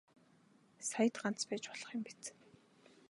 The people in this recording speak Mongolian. Саяд ганц байж болох юм биз.